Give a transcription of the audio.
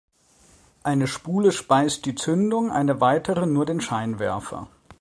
Eine Spule speist die Zündung, eine weitere nur den Scheinwerfer.